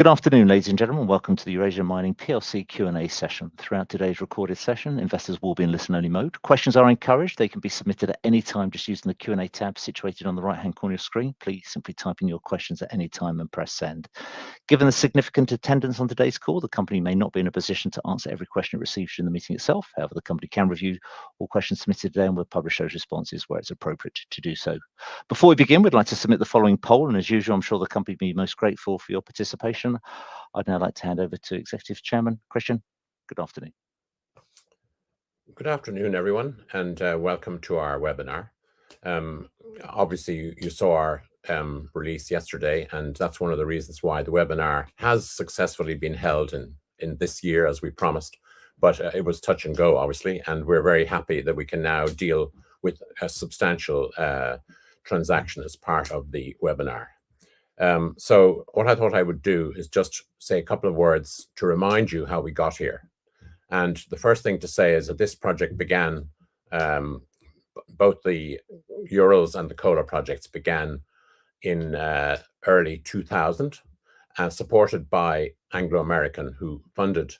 Good afternoon, ladies and gentlemen. Welcome to the Eurasia Mining PLC Q&A session. Throughout today's recorded session, investors will be in listen-only mode. Questions are encouraged. They can be submitted at any time just using the Q&A tab situated on the right-hand corner of your screen. Please simply type in your questions at any time and press Send. Given the significant attendance on today's call, the company may not be in a position to answer every question received during the meeting itself. However, the company can review all questions submitted today, and we'll publish those responses where it's appropriate to do so. Before we begin, we'd like to submit the following poll, and as usual, I'm sure the company will be most grateful for your participation. I'd now like to hand over to Executive Chairman Christian. Good afternoon. Good afternoon, everyone, and welcome to our webinar. Obviously you saw our release yesterday, and that's one of the reasons why the webinar has successfully been held in this year as we promised. It was touch and go, obviously, and we're very happy that we can now deal with a substantial transaction as part of the webinar. What I thought I would do is just say a couple of words to remind you how we got here. The first thing to say is that both the Urals and the Kola projects began in early 2000 and supported by Anglo American, who funded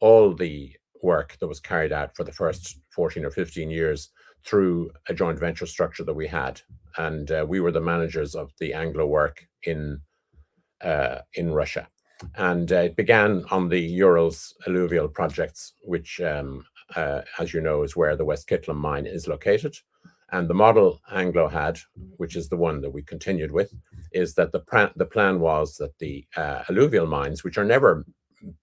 all the work that was carried out for the first 14 or 15 years through a joint venture structure that we had. We were the managers of the Anglo work in Russia. It began on the Urals alluvial projects, which, as you know, is where the West Kytlim mine is located. The model Anglo had, which is the one that we continued with, is that the plan was that the alluvial mines, which are never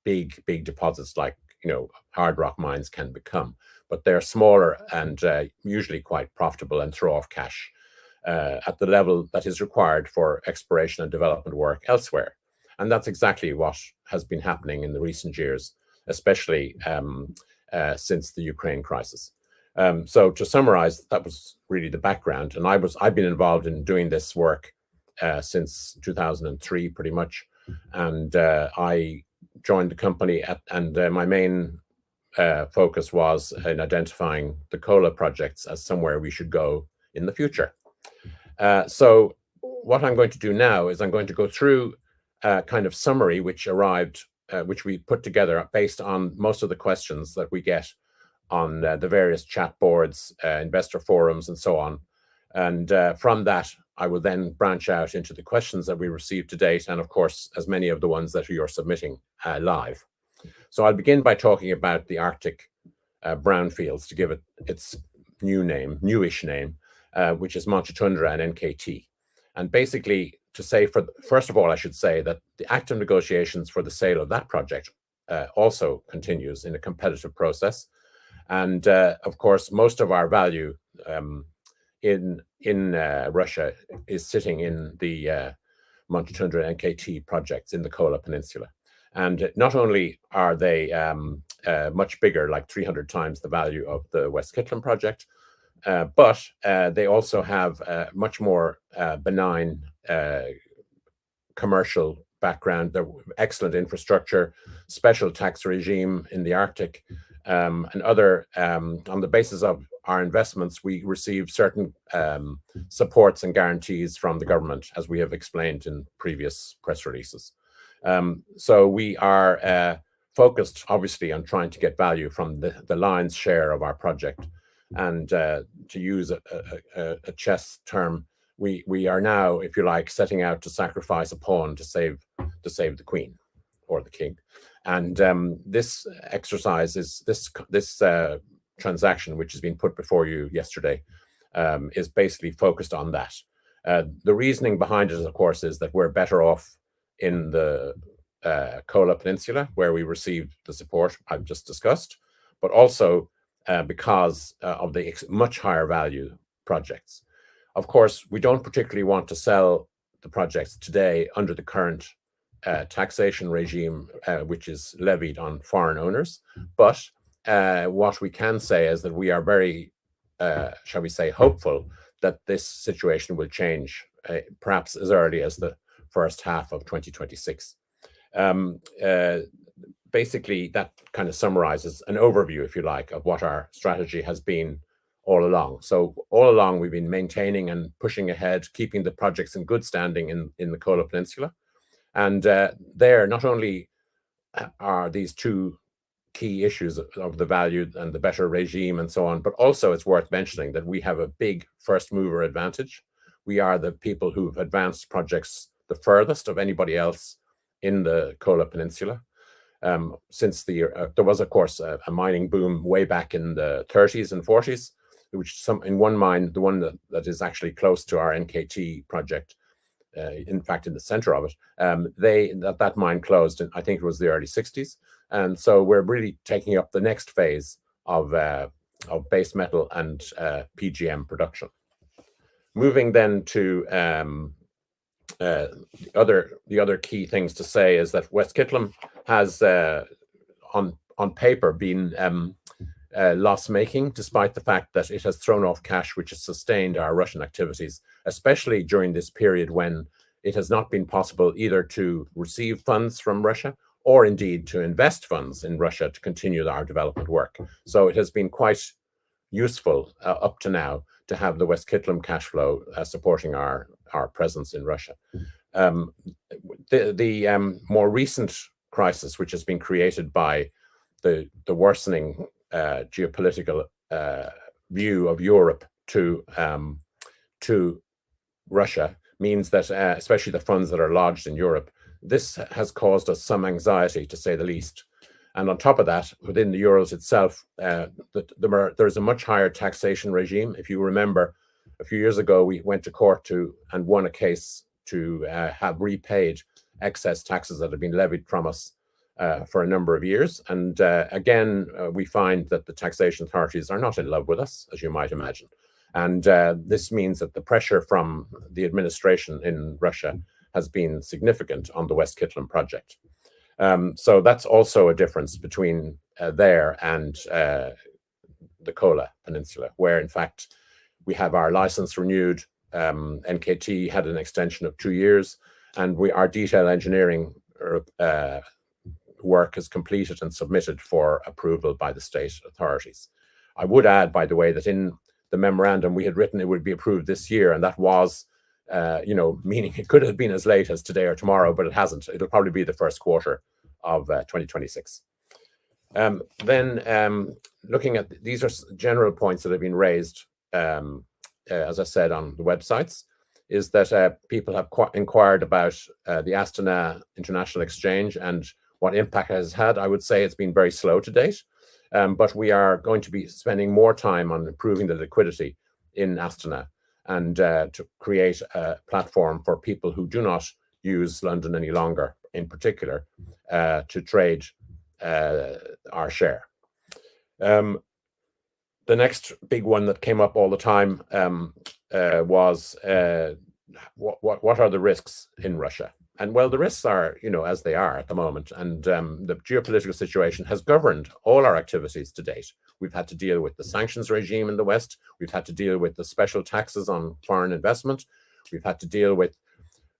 big deposits like, you know, hard rock mines can become, but they're smaller and usually quite profitable and throw off cash at the level that is required for exploration and development work elsewhere. That's exactly what has been happening in the recent years, especially since the Ukraine crisis. To summarize, that was really the background. I've been involved in doing this work since 2003 pretty much. I joined the company, my main focus was in identifying the Kola projects as somewhere we should go in the future. What I'm going to do now is go through a kind of summary which we put together based on most of the questions that we get on the various chat boards, investor forums, and so on. From that, I will then branch out into the questions that we received to date and of course, as many of the ones that you're submitting live. I'll begin by talking about the Arctic brownfields to give it its new name, new-ish name, which is Monchetundra and NKT. Basically to say for... First of all, I should say that the active negotiations for the sale of that project also continues in a competitive process. Of course, most of our value in Russia is sitting in the Monchetundra and NKT projects in the Kola Peninsula. Not only are they much bigger, like 300x the value of the West Kytlim project, but they also have a much more benign commercial background. They're excellent infrastructure, special tax regime in the Arctic, and other on the basis of our investments, we receive certain supports and guarantees from the government, as we have explained in previous press releases. We are focused obviously on trying to get value from the lion's share of our project. To use a chess term, we are now, if you like, setting out to sacrifice a pawn to save the queen or the king. This exercise is this transaction, which has been put before you yesterday, is basically focused on that. The reasoning behind it, of course, is that we're better off in the Kola Peninsula, where we received the support I've just discussed, but also because of the much higher value projects. Of course, we don't particularly want to sell the projects today under the current taxation regime, which is levied on foreign owners. What we can say is that we are very, shall we say, hopeful that this situation will change, perhaps as early as the first half of 2026. Basically, that kind of summarizes an overview, if you like, of what our strategy has been all along. All along we've been maintaining and pushing ahead, keeping the projects in good standing in the Kola Peninsula. There not only are these two key issues of the value and the better regime and so on, but also it's worth mentioning that we have a big first-mover advantage. We are the people who've advanced projects the furthest of anybody else in the Kola Peninsula. Since then there was of course a mining boom way back in the 30s and 40s, which saw one mine, the one that is actually close to our NKT project, in fact in the center of it, that mine closed in, I think it was the early 60s. We're really taking up the next phase of base metal and PGM production. Moving to the other key things to say is that West Kytlim has on paper been loss-making despite the fact that it has thrown off cash, which has sustained our Russian activities, especially during this period when it has not been possible either to receive funds from Russia or indeed to invest funds in Russia to continue our development work. It has been quite useful up to now to have the West Kytlim cash flow supporting our presence in Russia. The more recent crisis, which has been created by the worsening geopolitical view of Europe to Russia means that, especially the funds that are lodged in Europe, this has caused us some anxiety, to say the least. On top of that, within the Eurasia itself, there is a much higher taxation regime. If you remember, a few years ago, we went to court and won a case to have repaid excess taxes that had been levied from us for a number of years. We find that the taxation authorities are not in love with us, as you might imagine. This means that the pressure from the administration in Russia has been significant on the West Kytlim project. That's also a difference between there and the Kola Peninsula, where in fact we have our license renewed. NKT had an extension of two years and our detailed engineering work is completed and submitted for approval by the state authorities. I would add, by the way, that in the memorandum we had written it would be approved this year. That was, you know, meaning it could have been as late as today or tomorrow, but it hasn't. It'll probably be the first quarter of 2026. Looking at these are general points that have been raised, as I said, on the websites, is that people have inquired about the Astana International Exchange and what impact it has had. I would say it's been very slow to date, but we are going to be spending more time on improving the liquidity in Astana and to create a platform for people who do not use London any longer, in particular, to trade our share. The next big one that came up all the time was what are the risks in Russia? Well, the risks are, you know, as they are at the moment. The geopolitical situation has governed all our activities to date. We've had to deal with the sanctions regime in the West. We've had to deal with the special taxes on foreign investment. We've had to deal with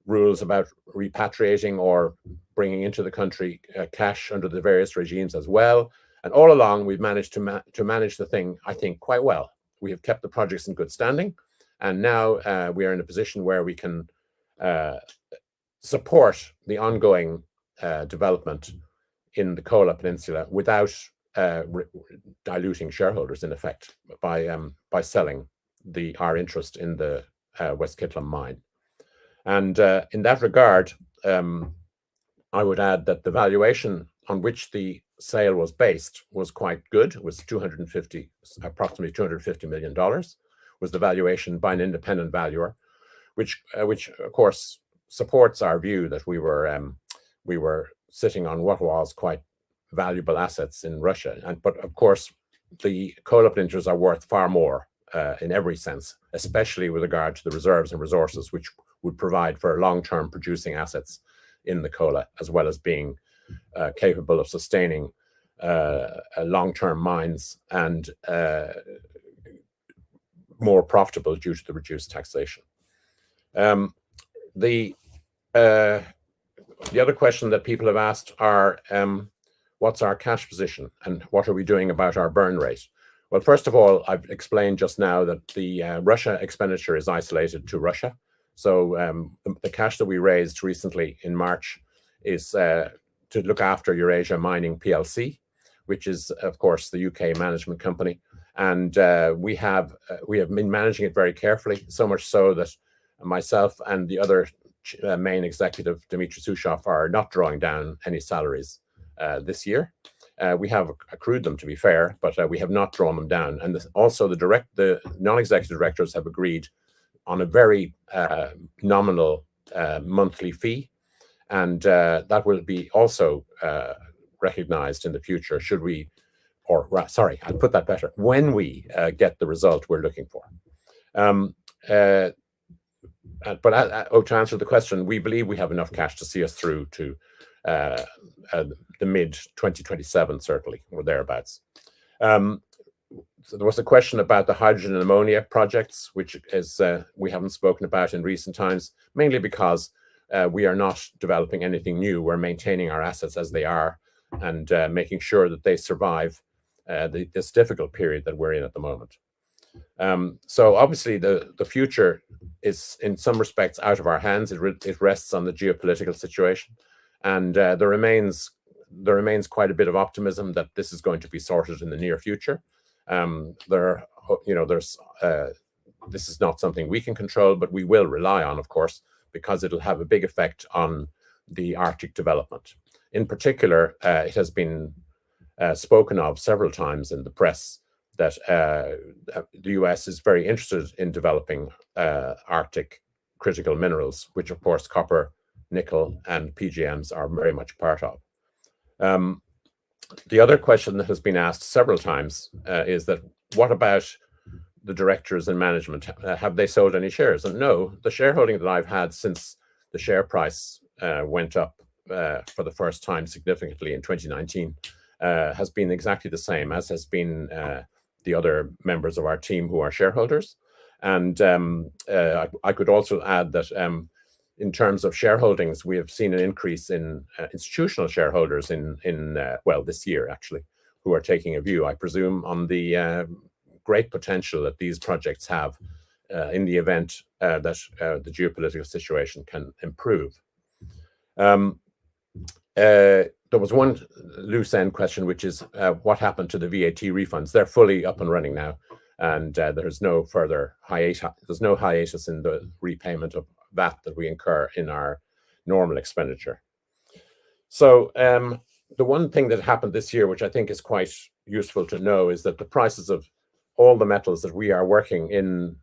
rules about repatriating or bringing into the country cash under the various regimes as well. All along, we've managed to manage the thing, I think, quite well. We have kept the projects in good standing. Now we are in a position where we can support the ongoing development in the Kola Peninsula without diluting shareholders, in effect, by selling our interest in the West Kytlim mine. In that regard, I would add that the valuation on which the sale was based was quite good. It was approximately $250 million, the valuation by an independent valuer, which, of course, supports our view that we were sitting on what was quite valuable assets in Russia. Of course, the Kola Peninsula are worth far more in every sense, especially with regard to the reserves and resources, which would provide for long-term producing assets in the Kola, as well as being capable of sustaining long-term mines and more profitable due to the reduced taxation. The other question that people have asked are what's our cash position and what are we doing about our burn rate? Well, first of all, I've explained just now that the Russia expenditure is isolated to Russia. So the cash that we raised recently in March is to look after Eurasia Mining PLC, which is, of course, the U.K. management company. We have been managing it very carefully, so much so that myself and the other main executive, Dmitry Suschov, are not drawing down any salaries this year. We have accrued them, to be fair, but we have not drawn them down. Also the non-executive directors have agreed on a very nominal monthly fee, and that will be also recognized in the future, when we get the result we're looking for. To answer the question, we believe we have enough cash to see us through to the mid-2027, certainly, or thereabouts. There was a question about the hydrogen and ammonia projects, which we haven't spoken about in recent times, mainly because we are not developing anything new. We're maintaining our assets as they are and making sure that they survive this difficult period that we're in at the moment. Obviously the future is in some respects out of our hands. It rests on the geopolitical situation. There remains quite a bit of optimism that this is going to be sorted in the near future. This is not something we can control, but we will rely on, of course, because it will have a big effect on the Arctic development. In particular, it has been spoken of several times in the press that the U.S. is very interested in developing Arctic critical minerals, which of course copper, nickel and PGMs are very much part of. The other question that has been asked several times is that what about the directors and management? Have they sold any shares? No, the shareholding that I've had since the share price went up for the first time significantly in 2019 has been exactly the same as has been the other members of our team who are shareholders. I could also add that in terms of shareholdings, we have seen an increase in institutional shareholders in, well, this year actually, who are taking a view, I presume, on the great potential that these projects have, in the event that the geopolitical situation can improve. There was one loose end question, which is, what happened to the VAT refunds? They're fully up and running now, and there is no hiatus in the repayment of VAT that we incur in our normal expenditure. The one thing that happened this year, which I think is quite useful to know, is that the prices of all the metals that we are working in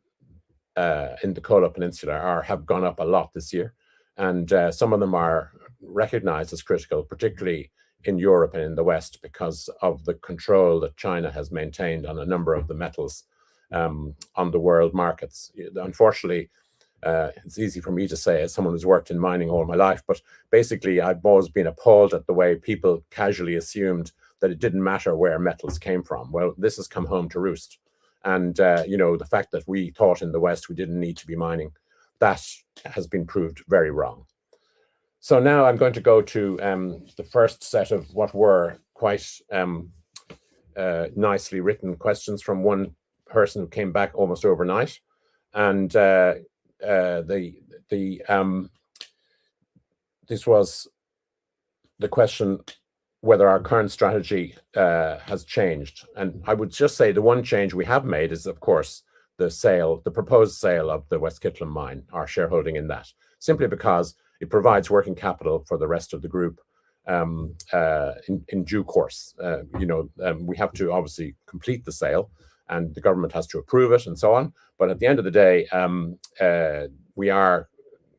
the Kola Peninsula have gone up a lot this year. Some of them are recognized as critical, particularly in Europe and in the West, because of the control that China has maintained on a number of the metals on the world markets. Unfortunately, it's easy for me to say as someone who's worked in mining all my life, but basically I've always been appalled at the way people casually assumed that it didn't matter where metals came from. Well, this has come home to roost and, you know, the fact that we thought in the West we didn't need to be mining, that has been proved very wrong. Now I'm going to go to the first set of what were quite nicely written questions from one person who came back almost overnight and this was the question whether our current strategy has changed. I would just say the one change we have made is, of course, the sale, the proposed sale of the West Kytlim mine, our shareholding in that. Simply because it provides working capital for the rest of the group, in due course. You know, we have to obviously complete the sale and the government has to approve it and so on. At the end of the day, we are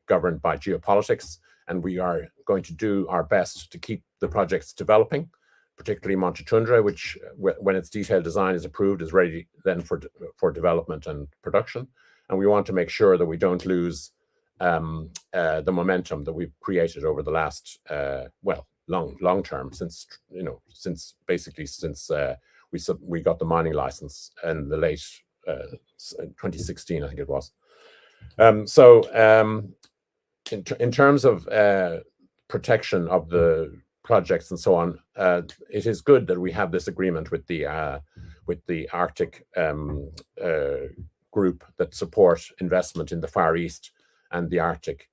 governed by geopolitics, and we are going to do our best to keep the projects developing, particularly Monchetundra, which when its detailed design is approved, is ready then for development and production. We want to make sure that we don't lose the momentum that we've created over the last long term since basically we got the mining license in the late 2016, I think it was. In terms of protection of the projects and so on, it is good that we have this agreement with the Arctic Development Agency that support investment in the Far East and the Arctic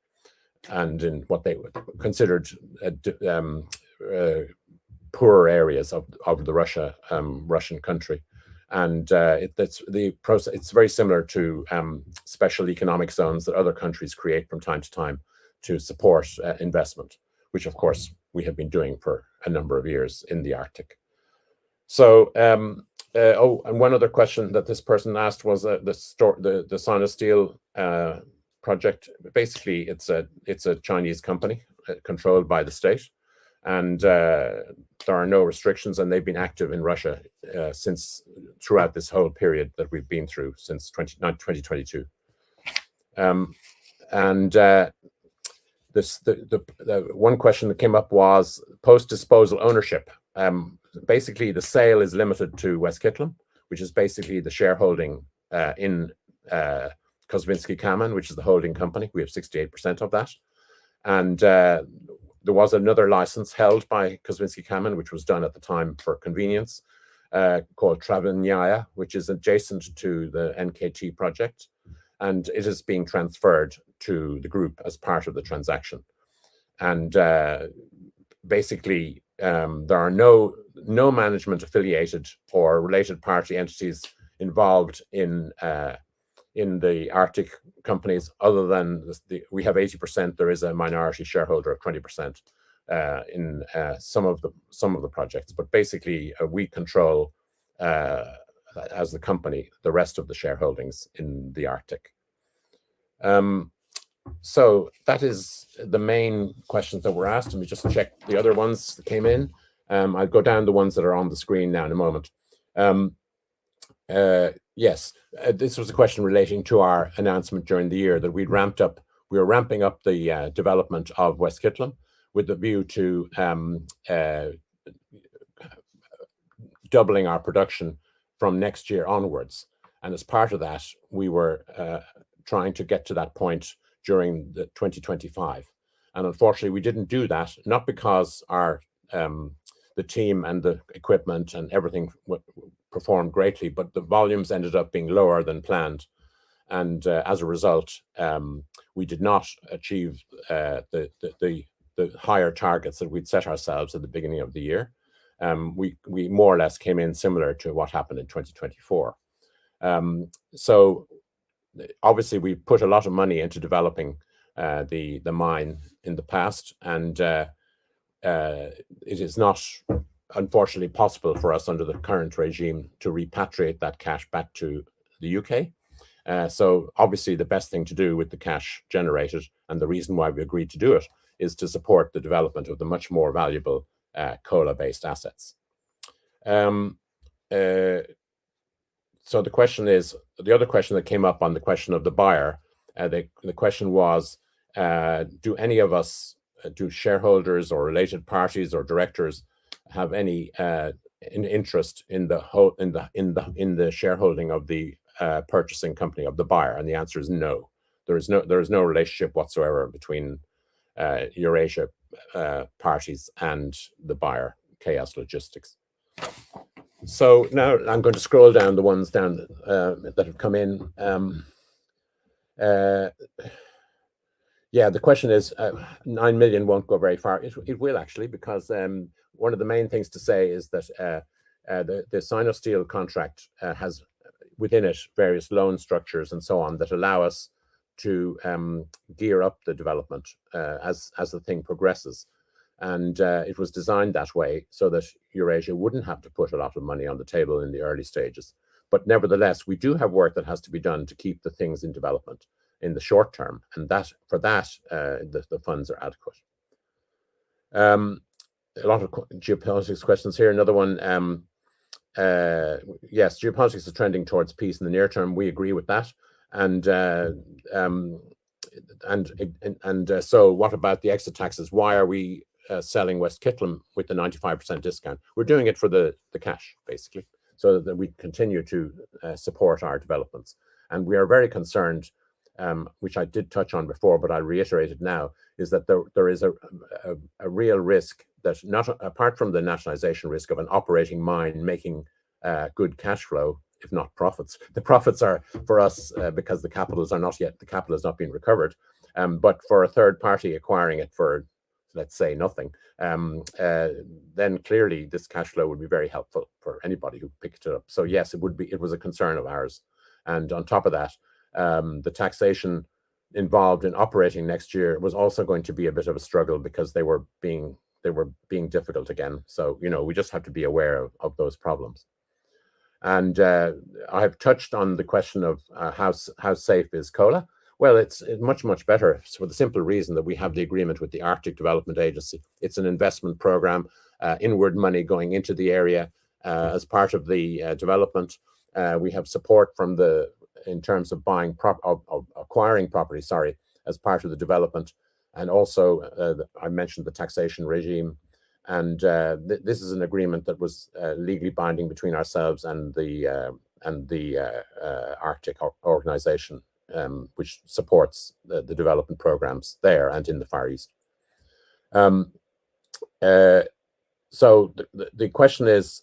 and in what they would considered poorer areas of the Russian country. It's very similar to special economic zones that other countries create from time to time to support investment, which of course we have been doing for a number of years in the Arctic. One other question that this person asked was the Sinosteel project. Basically, it's a Chinese company controlled by the state. There are no restrictions, and they've been active in Russia since throughout this whole period that we've been through since 2022. The one question that came up was post-disposal ownership. Basically the sale is limited to West Kytlim, which is basically the shareholding in Kosvinsky Kamen, which is the holding company. We have 68% of that. There was another license held by Kosvinsky Kamen, which was done at the time for convenience, called Travyanaya, which is adjacent to the NKT project, and it is being transferred to the group as part of the transaction. Basically, there are no management affiliated or related party entities involved in the Arctic companies other than. We have 80%. There is a minority shareholder of 20% in some of the projects. Basically, we control, as the company, the rest of the shareholdings in the Arctic. That is the main questions that were asked. Let me just check the other ones that came in. I'll go down the ones that are on the screen now in a moment. Yes. This was a question relating to our announcement during the year that we were ramping up the development of West Kytlim with a view to doubling our production from next year onwards. We were trying to get to that point during the 2025. Unfortunately, we didn't do that, not because our the team and the equipment and everything performed greatly, but the volumes ended up being lower than planned. As a result, we did not achieve the higher targets that we'd set ourselves at the beginning of the year. We more or less came in similar to what happened in 2024. Obviously we put a lot of money into developing the mine in the past and it is unfortunately not possible for us under the current regime to repatriate that cash back to the U.K. Obviously the best thing to do with the cash generated, and the reason why we agreed to do it, is to support the development of the much more valuable Kola-based assets. The other question that came up on the question of the buyer, the question was, do any of us, shareholders or related parties or directors have any interest in the shareholding of the purchasing company of the buyer? The answer is no. There is no relationship whatsoever between Eurasia parties and the buyer, LLC KS Logistics. Now I'm going to scroll down the ones that have come in. Yeah, the question is, 9 million won't go very far. It will actually, because one of the main things to say is that the Sinosteel contract has within it various loan structures and so on that allow us to gear up the development as the thing progresses. It was designed that way so that Eurasia wouldn't have to put a lot of money on the table in the early stages. Nevertheless, we do have work that has to be done to keep things in development in the short term, and for that the funds are adequate. A lot of geopolitics questions here. Another one, yes, geopolitics is trending towards peace in the near term. We agree with that. What about the exit taxes? Why are we selling West Kytlim with the 95% discount? We're doing it for the cash, basically, so that we continue to support our developments. We are very concerned, which I did touch on before, but I reiterate it now, is that there is a real risk apart from the nationalization risk of an operating mine making good cash flow, if not profits. The profits are for us because the capital has not been recovered. For a third party acquiring it for, let's say, nothing, then clearly this cash flow would be very helpful for anybody who picked it up. Yes, it was a concern of ours. On top of that, the taxation involved in operating next year was also going to be a bit of a struggle because they were being difficult again. You know, we just have to be aware of those problems. I've touched on the question of how safe is Kola? Well, it's much better for the simple reason that we have the agreement with the Arctic Development Agency. It's an investment program, inward money going into the area as part of the development. We have support from the in terms of acquiring property, sorry, as part of the development. I mentioned the taxation regime. This is an agreement that was legally binding between ourselves and the Arctic Development Agency, which supports the development programs there and in the Far East. The question is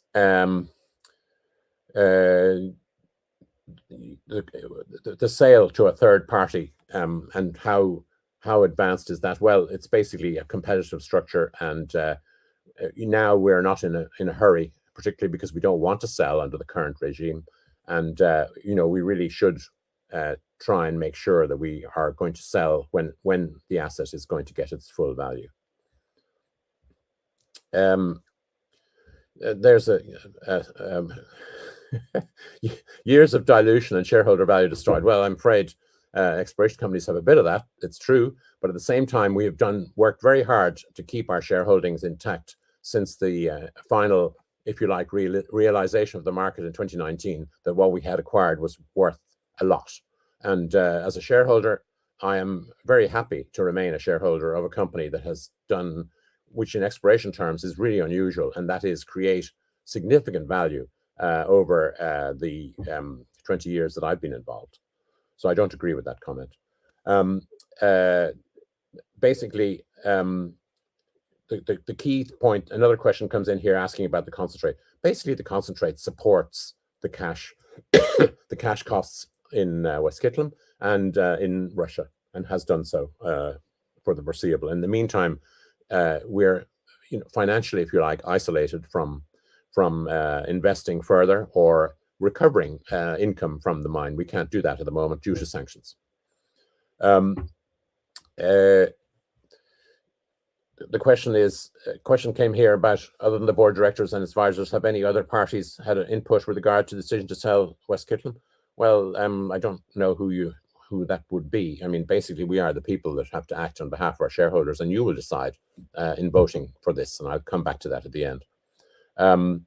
the sale to a third party and how advanced is that? Well, it's basically a competitive structure, and now we're not in a hurry, particularly because we don't want to sell under the current regime. You know, we really should try and make sure that we are going to sell when the asset is going to get its full value. There's years of dilution and shareholder value destroyed. Well, I'm afraid exploration companies have a bit of that. It's true. At the same time, we have worked very hard to keep our shareholdings intact since the final, if you like, realization of the market in 2019, that what we had acquired was worth a lot. As a shareholder, I am very happy to remain a shareholder of a company that has done, which in exploration terms is really unusual, and that is create significant value over the 20 years that I've been involved. I don't agree with that comment. Basically, the key point. Another question comes in here asking about the concentrate. Basically, the concentrate supports the cash costs in West Kytlim and in Russia and has done so for the foreseeable. In the meantime, we're, you know, financially, if you like, isolated from investing further or recovering income from the mine. We can't do that at the moment due to sanctions. The question is, a question came here about other than the board of directors and advisors, have any other parties had an input with regard to the decision to sell West Kytlim? Well, I don't know who that would be. I mean, basically, we are the people that have to act on behalf of our shareholders, and you will decide in voting for this. I'll come back to that at the end. I'm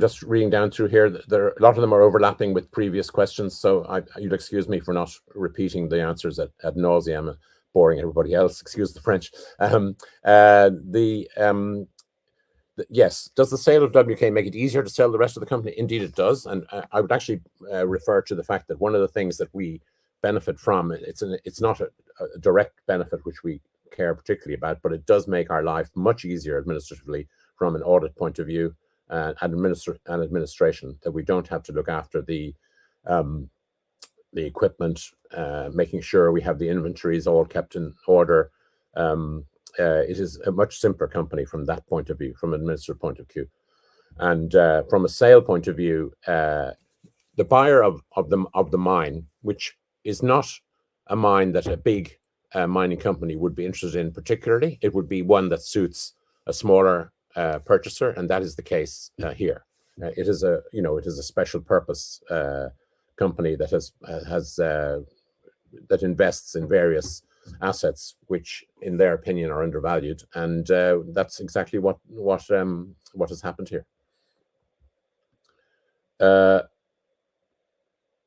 just reading down through here. A lot of them are overlapping with previous questions, so I. You'll excuse me for not repeating the answers ad nauseam and boring everybody else. Excuse the French. Yes. Does the sale of WK make it easier to sell the rest of the company? Indeed, it does. I would actually refer to the fact that one of the things that we benefit from. It's not a direct benefit which we care particularly about, but it does make our life much easier administratively from an audit point of view, and administration that we don't have to look after the equipment, making sure we have the inventories all kept in order. It is a much simpler company from that point of view, from an administrative point of view. From a sale point of view, the buyer of the mine, which is not a mine that a big mining company would be interested in particularly. It would be one that suits a smaller purchaser, and that is the case here. It is, you know, a special purpose company that invests in various assets which in their opinion are undervalued. That's exactly what has happened here.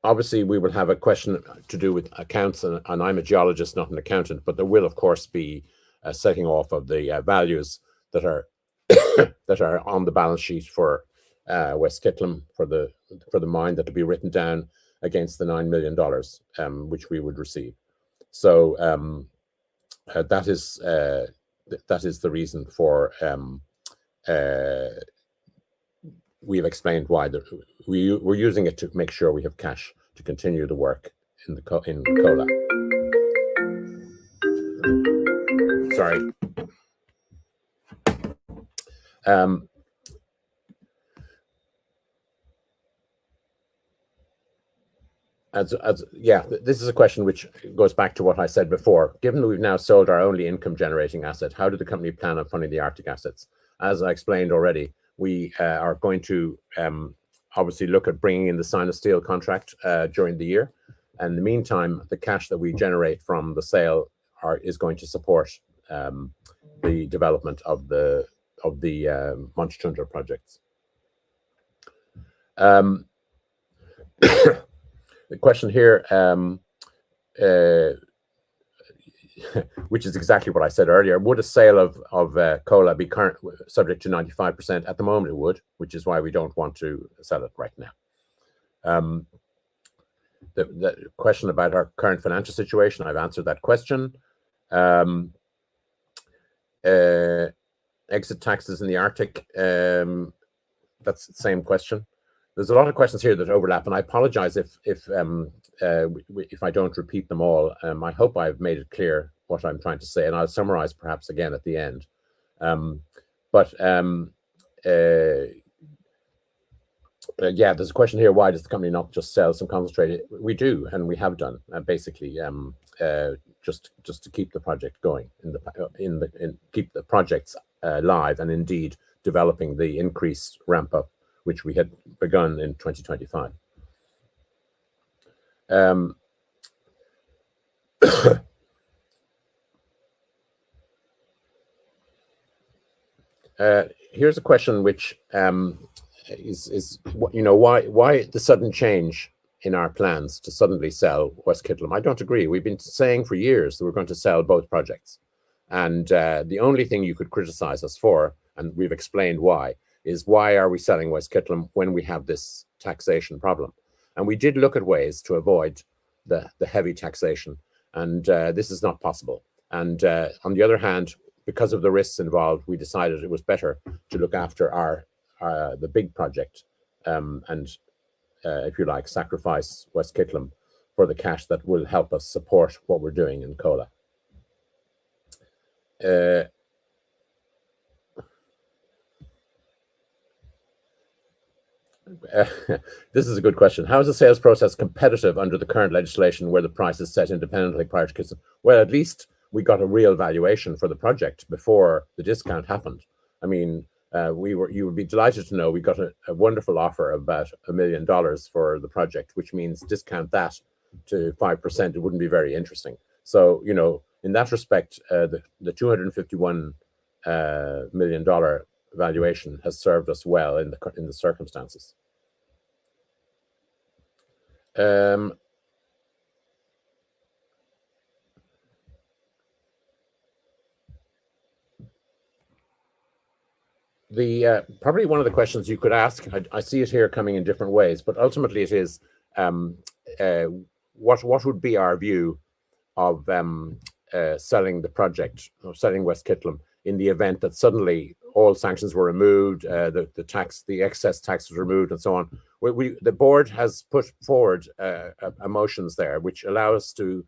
Obviously we will have a question to do with accounts and I'm a geologist not an accountant, but there will of course be a setting off of the values that are on the balance sheet for West Kytlim, for the mine that would be written down against the $9 million which we would receive. That is the reason. We've explained why we're using it to make sure we have cash to continue to work in Kola. This is a question which goes back to what I said before. Given that we've now sold our only income-generating asset, how did the company plan on funding the Arctic assets? As I explained already, we are going to obviously look at bringing in the Sinosteel contract during the year. In the meantime, the cash that we generate from the sale is going to support the development of the Monchetundra projects. The question here, which is exactly what I said earlier, would a sale of Kola be currently subject to 95%? At the moment it would, which is why we don't want to sell it right now. The question about our current financial situation, I've answered that question. Exit taxes in the Arctic. That's the same question. There's a lot of questions here that overlap, and I apologize if I don't repeat them all. I hope I've made it clear what I'm trying to say, and I'll summarize perhaps again at the end. There's a question here, why does the company not just sell some concentrate? We do, and we have done, and basically just to keep the projects live and indeed developing the increased ramp-up which we had begun in 2025. Here's a question which is why the sudden change in our plans to suddenly sell West Kytlim? I don't agree. We've been saying for years that we're going to sell both projects. The only thing you could criticize us for, and we've explained why, is why are we selling West Kytlim when we have this taxation problem? We did look at ways to avoid the heavy taxation and this is not possible. On the other hand, because of the risks involved, we decided it was better to look after our the big project, and if you like, sacrifice West Kytlim for the cash that will help us support what we're doing in Kola. This is a good question. How is the sales process competitive under the current legislation where the price is set independently prior to. Well, at least we got a real valuation for the project before the discount happened. I mean, you would be delighted to know we got a wonderful offer, about $1 million for the project, which means discount that to 5%, it wouldn't be very interesting. You know, in that respect, the $251 million valuation has served us well in the circumstances. The probably one of the questions you could ask, I see it here coming in different ways, but ultimately it is what would be our view of selling the project, or selling West Kytlim in the event that suddenly all sanctions were removed, the tax, the excess tax was removed and so on. We the board has put forward a motions there which allow us to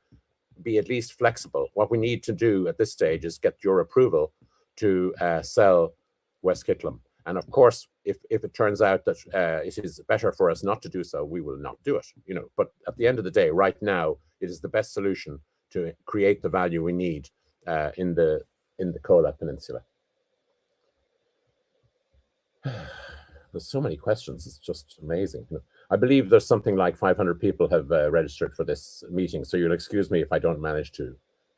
be at least flexible. What we need to do at this stage is get your approval to sell West Kytlim. Of course, if it turns out that it is better for us not to do so, we will not do it, you know. At the end of the day, right now it is the best solution to create the value we need in the Kola Peninsula. There's so many questions, it's just amazing. I believe there's something like 500 people have registered for this meeting, so you'll excuse me if I don't manage to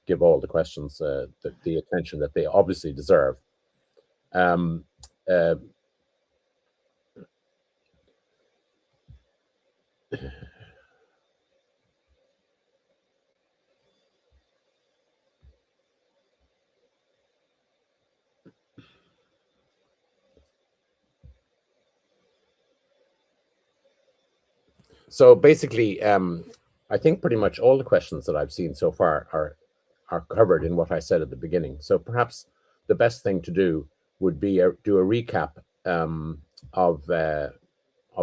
give all the questions the attention that they obviously deserve. Basically, I think pretty much all the questions that I've seen so far are covered in what I said at the beginning. Perhaps the best thing to do would be do a recap of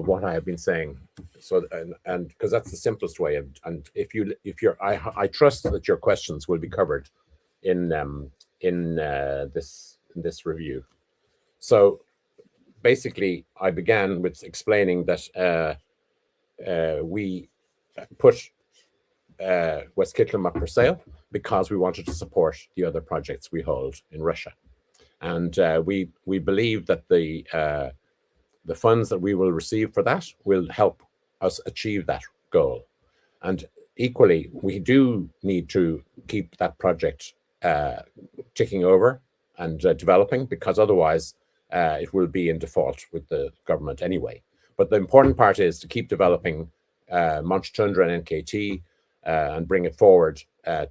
what I have been saying. 'Cause that's the simplest way and if you're I trust that your questions will be covered in this review. Basically I began with explaining that we put West Kytlim up for sale because we wanted to support the other projects we hold in Russia and we believe that the funds that we will receive for that will help us achieve that goal. Equally, we do need to keep that project ticking over and developing because otherwise it will be in default with the government anyway. The important part is to keep developing Monchetundra and NKT and bring it forward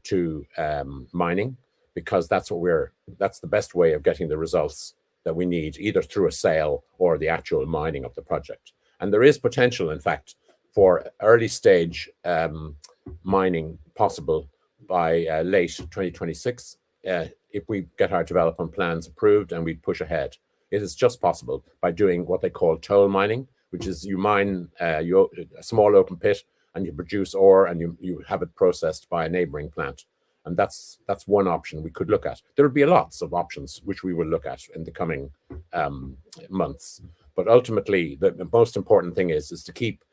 to mining because that's the best way of getting the results that we need, either through a sale or the actual mining of the project. There is potential, in fact, for early-stage mining possible by late 2026, if we get our development plans approved and we push ahead. It is just possible by doing what they call toll mining, which is you mine your small open pit, and you produce ore, and you have it processed by a neighboring plant. That's one option we could look at. There would be lots of options which we will look at in the coming months. Ultimately, the most important thing is to keep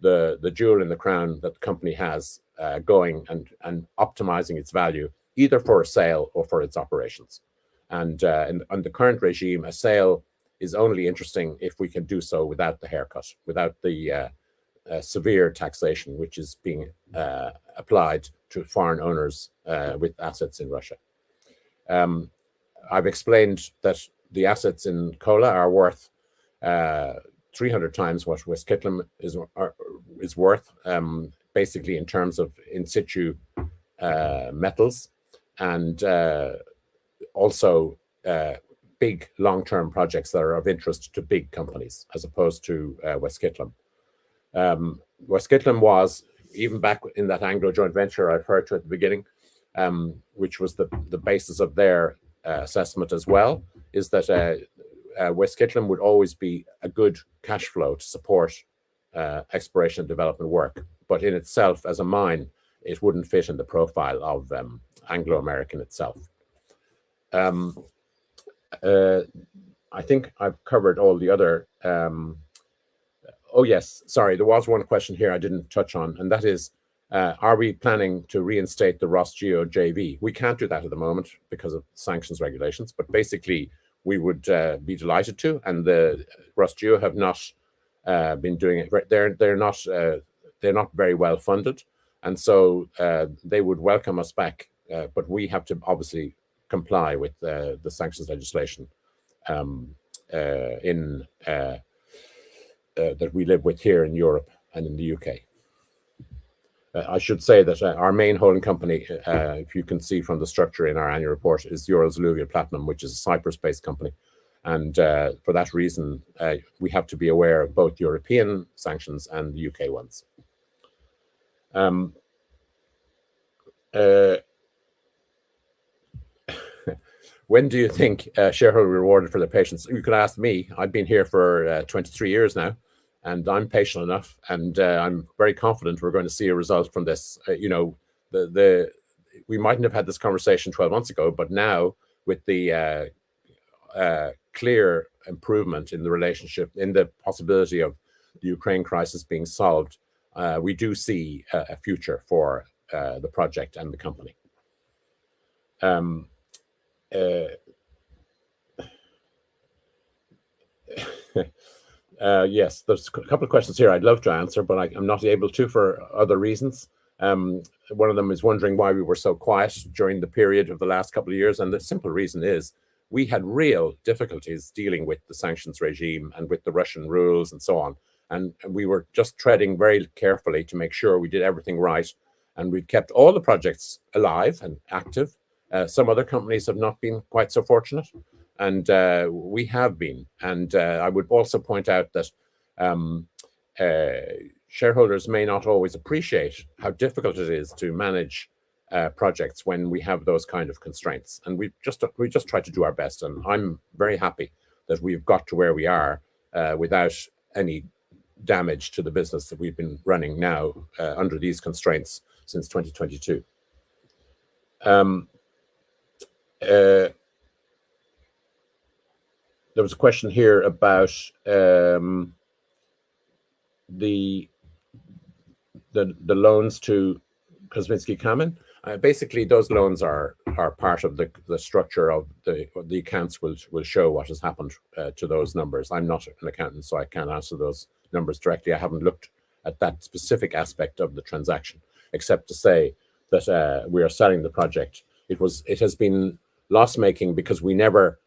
the jewel in the crown that the company has going and optimizing its value either for a sale or for its operations. Under current regime, a sale is only interesting if we can do so without the haircut, without the severe taxation which is being applied to foreign owners with assets in Russia. I've explained that the assets in Kola are worth 300x what West Kytlim is worth, basically in terms of in situ metals and also big long-term projects that are of interest to big companies as opposed to West Kytlim. West Kytlim was even back in that Anglo joint venture I referred to at the beginning, which was the basis of their assessment as well, is that West Kytlim would always be a good cash flow to support exploration development work. In itself, as a mine, it wouldn't fit in the profile of Anglo American itself. I think I've covered all the other. Oh, yes. Sorry. There was one question here I didn't touch on, and that is, are we planning to reinstate the Rosgeo JV? We can't do that at the moment because of sanctions regulations. Basically, we would be delighted to, and the Rosgeo have not been doing it. They're not very well-funded, and so they would welcome us back. We have to obviously comply with the sanctions legislation in that we live with here in Europe and in the U.K. I should say that our main holding company, if you can see from the structure in our annual report, is Eurasia Platinum, which is a Cyprus-based company. For that reason, we have to be aware of both European sanctions and the U.K. ones. When do you think shareholder rewarded for their patience? You could ask me. I've been here for 23 years now, and I'm patient enough, and I'm very confident we're gonna see a result from this. You know, we mightn't have had this conversation 12 months ago, but now with the clear improvement in the relationship, in the possibility of the Ukraine crisis being solved, we do see a future for the project and the company. Yes. There's a couple of questions here I'd love to answer, but I'm not able to for other reasons. One of them is wondering why we were so quiet during the period of the last couple of years. The simple reason is we had real difficulties dealing with the sanctions regime and with the Russian rules, and so on. We were just treading very carefully to make sure we did everything right, and we kept all the projects alive and active. Some other companies have not been quite so fortunate, and we have been. I would also point out that shareholders may not always appreciate how difficult it is to manage projects when we have those kind of constraints. We just try to do our best, and I'm very happy that we've got to where we are, without any damage to the business that we've been running now, under these constraints since 2022. There was a question here about the loans to Kosvinsky Kamen. Basically, those loans are part of the structure of the. The accounts will show what has happened to those numbers. I'm not an accountant, so I can't answer those numbers directly. I haven't looked at that specific aspect of the transaction, except to say that we are selling the project. It has been loss-making because we never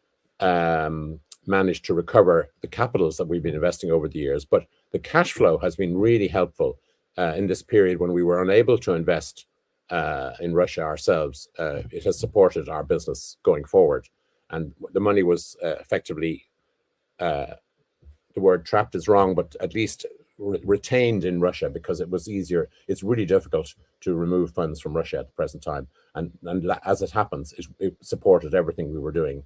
managed to recover the capitals that we've been investing over the years. The cash flow has been really helpful in this period when we were unable to invest in Russia ourselves. It has supported our business going forward and the money was effectively, the word trapped is wrong, but at least retained in Russia because it was easier. It's really difficult to remove funds from Russia at the present time. As it happens, it supported everything we were doing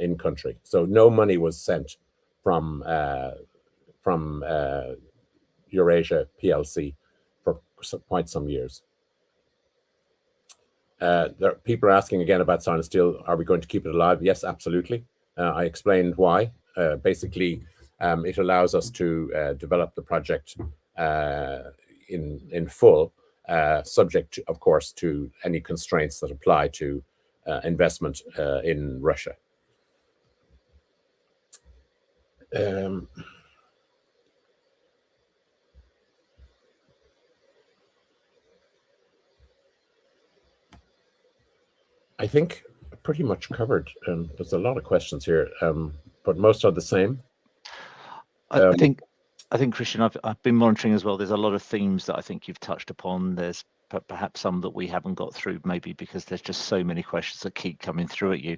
in country. No money was sent from Eurasia PLC for quite some years. There are people asking again about Sinosteel. Are we going to keep it alive? Yes, absolutely. I explained why. Basically, it allows us to develop the project in full, subject of course to any constraints that apply to investment in Russia. I think pretty much covered. There's a lot of questions here, but most are the same. I think, Christian, I've been monitoring as well. There's a lot of themes that I think you've touched upon. There's perhaps some that we haven't got through, maybe because there's just so many questions that keep coming through at you.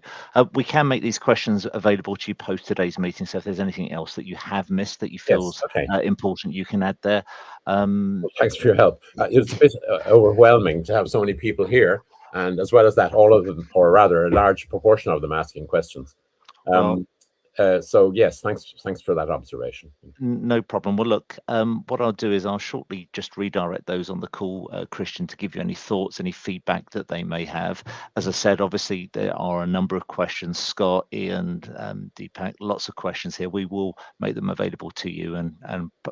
We can make these questions available to you post today's meeting, so if there's anything else that you have missed that you feel- Yes. Okay. important you can add there. Well, thanks for your help. It's a bit overwhelming to have so many people here, and as well as that, all of them, or rather a large proportion of them asking questions. Yes, thanks for that observation. No problem. Well, look, what I'll do is I'll shortly just redirect those on the call, Christian, to give you any thoughts, any feedback that they may have. As I said, obviously, there are a number of questions. Scott, Ian, Deepak, lots of questions here. We will make them available to you and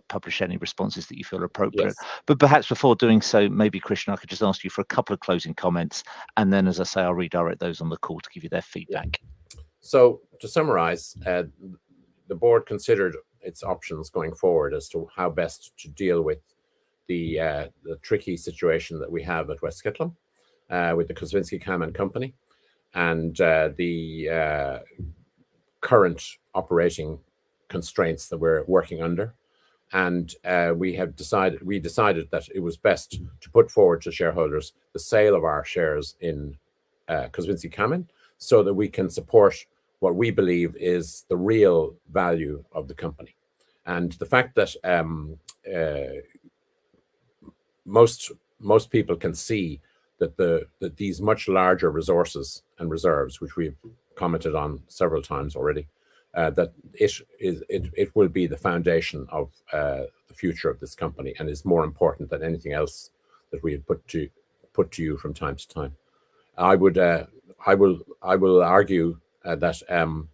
publish any responses that you feel appropriate. Perhaps before doing so, maybe Christian, I could just ask you for a couple of closing comments, and then as I say, I'll redirect those on the call to give you their feedback. To summarize, the board considered its options going forward as to how best to deal with the tricky situation that we have at West Kytlim with the Kosvinsky Kamen Company and the current operating constraints that we're working under. We decided that it was best to put forward to shareholders the sale of our shares in Kosvinsky Kamen so that we can support what we believe is the real value of the company. The fact that most people can see that these much larger resources and reserves, which we've commented on several times already, that it will be the foundation of the future of this company and is more important than anything else that we have put to you from time to time. I will argue that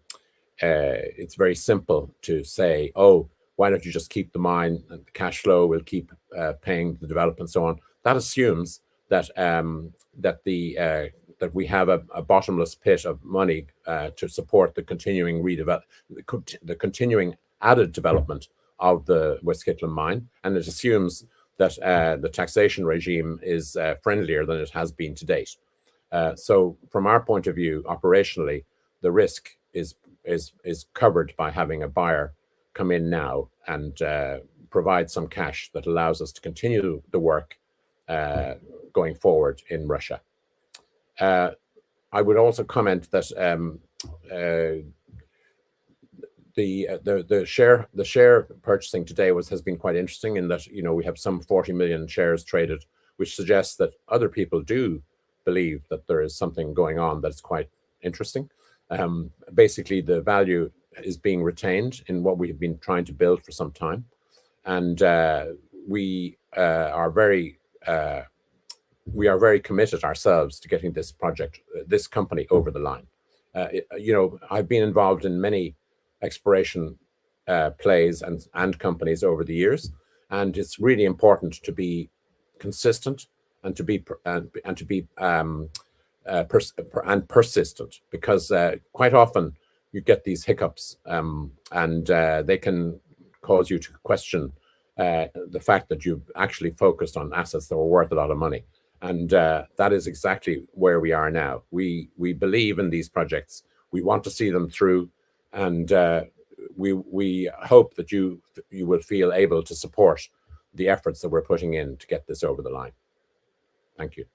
it's very simple to say, "Oh, why don't you just keep the mine, and the cash flow will keep paying the development," so on. That assumes that we have a bottomless pit of money to support the continuing added development of the West Kytlim mine, and it assumes that the taxation regime is friendlier than it has been to date. From our point of view, operationally, the risk is covered by having a buyer come in now and provide some cash that allows us to continue the work going forward in Russia. I would also comment that the share purchasing to date has been quite interesting in that, you know, we have some 40 million shares traded, which suggests that other people do believe that there is something going on that is quite interesting. Basically the value is being retained in what we have been trying to build for some time and we are very committed ourselves to getting this project, this company over the line. You know, I've been involved in many exploration plays and companies over the years, and it's really important to be consistent and to be persistent because quite often you get these hiccups and they can cause you to question the fact that you've actually focused on assets that were worth a lot of money and that is exactly where we are now. We believe in these projects. We want to see them through and we hope that you will feel able to support the efforts that we're putting in to get this over the line. Thank you.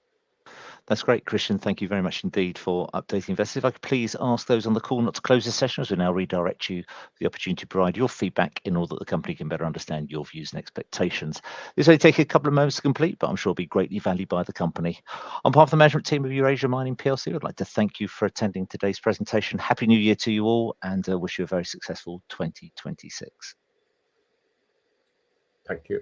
That's great, Christian. Thank you very much indeed for updating investors. If I could please ask those on the call not to close this session, as we'll now redirect you to the opportunity to provide your feedback in order that the company can better understand your views and expectations. This will only take you a couple of moments to complete, but I'm sure it'll be greatly valued by the company. On behalf of the management team of Eurasia Mining PLC, I'd like to thank you for attending today's presentation. Happy New Year to you all, and wish you a very successful 2026. Thank you.